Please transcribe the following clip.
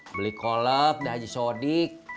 beli kolep dah aja sodik